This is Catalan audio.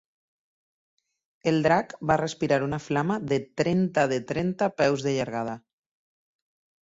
El drac va respirar una flama de trenta de trenta peus de llargada.